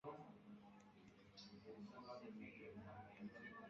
baba bishyize munsi y'ubutware bw'abadayimoni.